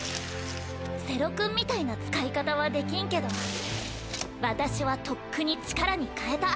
瀬呂くんみたいな使い方はできんけど私はとっくに力に変えた。